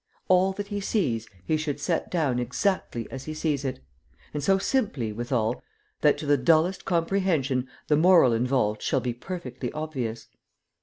All that he sees he should set down exactly as he sees it, and so simply, withal, that to the dullest comprehension the moral involved shall be perfectly obvious.